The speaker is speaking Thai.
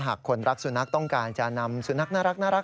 หากคนรักสุนัขต้องการจะนำสุนัขน่ารัก